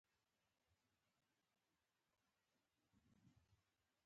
آیا دوی د اقتصاد او ټولنې په اړه نه دي؟